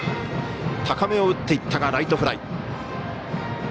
高めを打っていったがライトフライ。